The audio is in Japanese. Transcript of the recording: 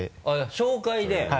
紹介で？